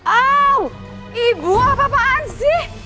oh ibu apa apaan sih